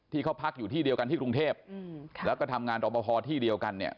ที่เขาพักอยู่ที่เดียวกันที่กรุงเทพแล้วก็ทำงานรอปภที่เดียวกันเนี่ย